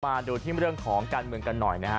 มาดูที่เรื่องของการเมืองกันหน่อยนะฮะ